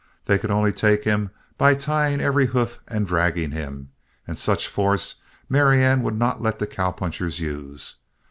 They could only take him by tying every hoof and dragging him, and such force Marianne would not let the cowpunchers use.